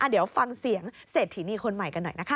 เดี๋ยวฟังเสียงเศรษฐีนีคนใหม่กันหน่อยนะคะ